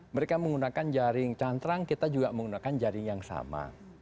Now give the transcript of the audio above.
mereka menggunakan jaring cantrang kita juga menggunakan jaring yang sama